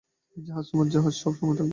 এই জাহাজ, তোমার জাহাজ, সবসময় থাকবে।